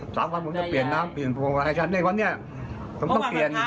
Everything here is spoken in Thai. สามวันผมจะเปลี่ยนน้ำ